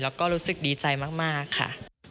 แล้วก็รู้สึกดีใจมากค่ะ